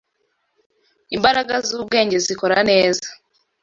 imbaraga z’ubwenge zikora neza